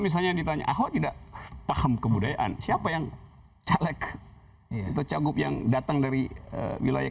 misalnya ditanya ahok tidak paham kebudayaan siapa yang caleg itu cagup yang datang dari wilayah